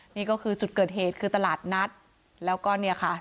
นี่ก็คือจุดเกิดเหตุคือตลาดนัดแล้วก็เนี่ยค่ะ